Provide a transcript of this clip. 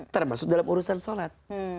termasuk dalam urusan sholat